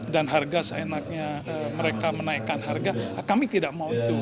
dan harga seenaknya mereka menaikkan harga kami tidak mau itu